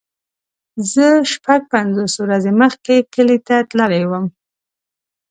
زه شپږ پنځوس ورځې مخکې کلی ته تللی وم.